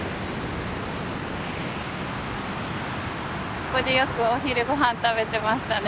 ここでよくお昼御飯食べてましたね。